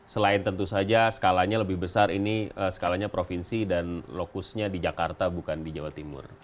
selain tentu saja skalanya lebih besar ini skalanya provinsi dan lokusnya di jakarta bukan di jawa timur